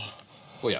おや。